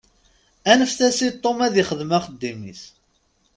Anfet-as i Tom ad ixdem axeddim-is.